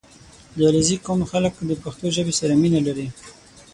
• د علیزي قوم خلک د پښتو ژبې سره مینه لري.